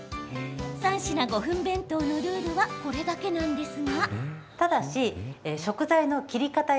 ３品５分弁当のルールはこれだけなんですが。